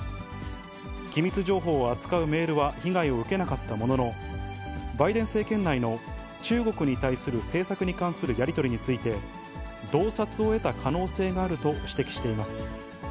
機密情報を扱うメールは被害を受けなかったものの、バイデン政権内の中国に対する政策に関するやり取りについて、洞察を得た可能性があると指摘しています。